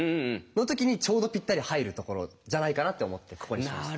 の時にちょうどぴったり入るところじゃないかなって思ってここにしました。